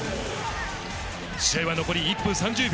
試合は残り１分３０秒。